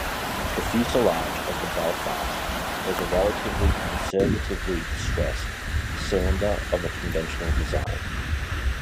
The fuselage of the Belfast was a relatively conservatively-stressed cylinder of a conventional design.